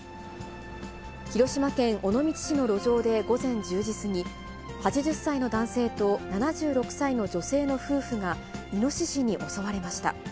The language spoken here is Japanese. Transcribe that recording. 広島県尾道市の路上で、午前１０時過ぎ、８０歳の男性と７６歳の女性の夫婦が、イノシシに襲われました。